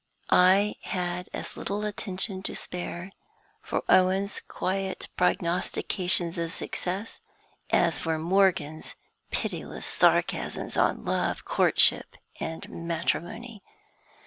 I had as little attention to spare for Owen's quiet prognostications of success as for Morgan's pitiless sarcasms on love, courtship, and matrimony.